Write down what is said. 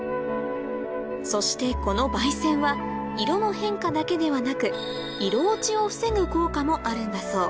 そしてこの媒染は色の変化だけではなく効果もあるんだそう